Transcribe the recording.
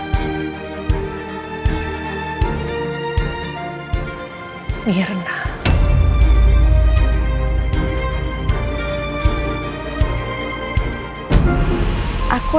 sampai jumpa di video selanjutnya